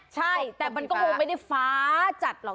ใช่แต่มันก็คงไม่ได้ฟ้าจัดหรอก